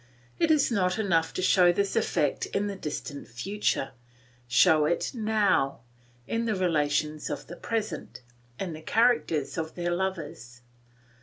It is not enough to show this effect in the distant future, show it now, in the relations of the present, in the character of their lovers.